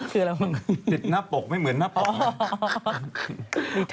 ผิดหน้าปกไม่เหมือนหน้าปก